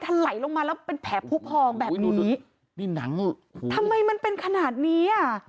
ไหลลงมาแล้วเป็นแผลผู้พองแบบนี้นี่หนังทำไมมันเป็นขนาดนี้อ่ะ